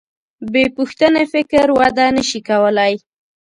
بېپوښتنې فکر وده نهشي کولی.